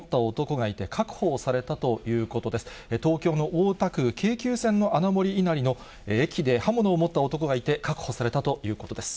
東京の大田区、京急線の穴守稲荷の駅で刃物を男がいて、確保されたということです。